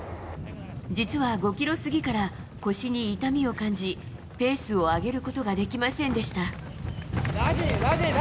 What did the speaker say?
実は５ｋｍ過ぎから腰に痛みを感じペースを上げることができませんでした。